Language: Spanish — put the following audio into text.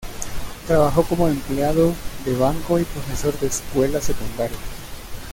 Trabajó como empleado de banco y profesor de escuela secundaria.